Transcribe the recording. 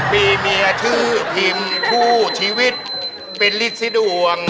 มีเมียชื่อพิมพ์คู่ชีวิตเป็นฤทธิดวง